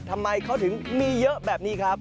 ทำไมเขาถึงมีเยอะแบบนี้ครับ